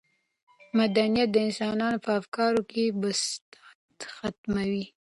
مدنیت د انسانانو په افکارو کې بساطت ختموي.